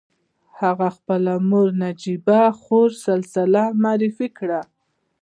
هغه خپله مور نجيبه خور سلسله معرفي کړه.